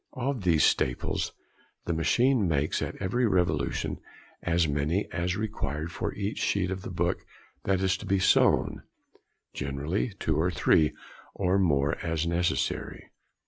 Of these staples, the machine makes at every revolution as many as are required |32| for each sheet of the book that is being sewn—generally two or three, or more, as necessary.